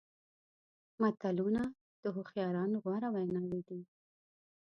متلونه د هوښیارانو غوره ویناوې دي.